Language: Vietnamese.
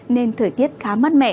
nên thời tiết khá mát mẻ